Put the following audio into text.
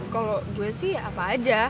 kalau gue sih apa aja